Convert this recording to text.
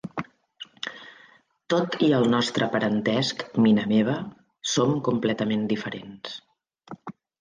Tot i el nostre parentesc, Mina meva, som completament diferents.